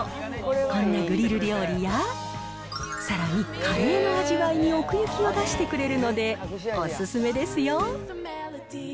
こんなグリル料理や、さらにカレーの味わいに奥行きを出してくれるのでお勧めですよ。